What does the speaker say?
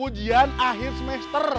ujian akhir semester